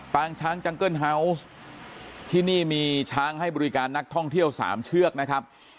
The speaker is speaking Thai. ช้างจังเกิ้ลเฮาวส์ที่นี่มีช้างให้บริการนักท่องเที่ยว๓เชือกนะครับ